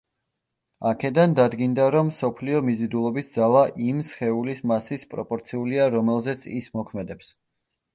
აქედან დადგინდა რომ მსოფლიო მიზიდულობის ძალა იმ სხეულის მასის პროპორციულია რომელზეც ის მოქმედებს.